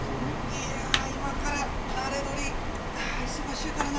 いや今からナレどり忙しいからな。